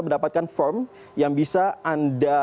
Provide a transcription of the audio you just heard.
mendapatkan firm yang bisa anda